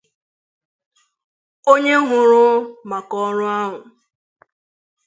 onye hụrụ maka ọrụ ahụ